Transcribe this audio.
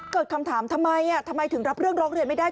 เกิดคำถามทำไมทำไมถึงรับเรื่องร้องเรียนไม่ได้